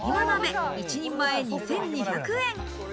鍋、一人前２２００円。